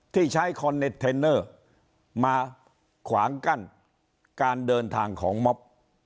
ที่ใช้คอนเท็จเทนเนอร์มาขวางกั้นการเดินทางของม็อบ